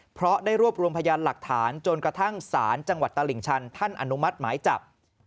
เพราะได้รวบรวมพยานหลักฐานจนกระทั่งศาลจังหวัดตลิ่งชันท่านอนุมัติหมายจับ